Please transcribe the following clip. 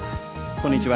こんにちは。